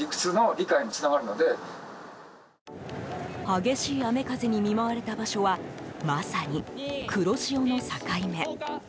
激しい雨風に見舞われた場所はまさに黒潮の境目。